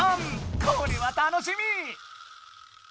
これは楽しみ！